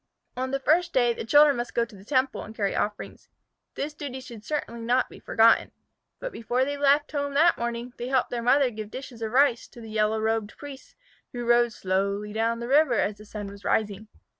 On the first day the children must go to the temple and carry offerings. This duty should certainly not be forgotten. But before they left home that morning they helped their mother give dishes of rice to the yellow robed priests who rowed slowly down the river as the sun was rising.